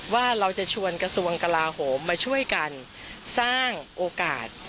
ว่าเราจะชวนกระทรวงกลาโหมมาช่วยกันสร้างโอกาส